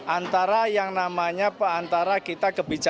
antara yang namanya peantara kita kebiasaan